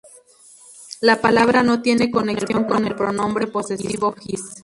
La palabra no tiene conexión con el pronombre posesivo "his".